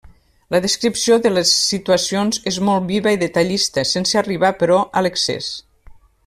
La descripció de les situacions és molt viva i detallista, sense arribar, però, a l'excés.